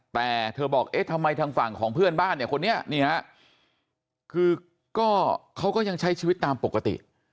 แต่เธอบอกเอ๊ะทำไมทางฝั่งของเพื่อนบ้านเนี่ยคนนี้นี่ฮะคือก็เขาก็ยังใช้ชีวิตตามปกติ